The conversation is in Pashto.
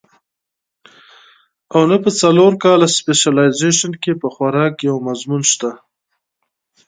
او نۀ پۀ څلور کاله سپېشلائزېشن کښې پۀ خوراک يو مضمون شته